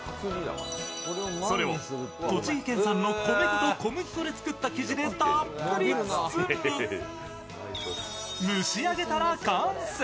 それを、栃木県産の米粉と小麦粉で作った生地でたっぷり包み、蒸し上げたら完成。